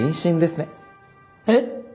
えっ？